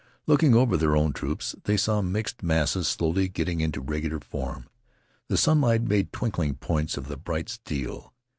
Looking over their own troops, they saw mixed masses slowly getting into regular form. The sunlight made twinkling points of the bright steel.